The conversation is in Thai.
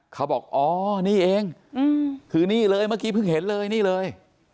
เขาบอกอ๋อนี่เองคือนี่เลยเมื่อกี้เพิ่งเห็นเลยนี่เลย